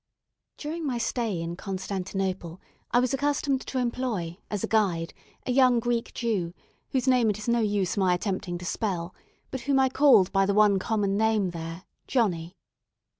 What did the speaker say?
During my stay in Constantinople, I was accustomed to employ, as a guide, a young Greek Jew, whose name it is no use my attempting to spell, but whom I called by the one common name there "Johnny."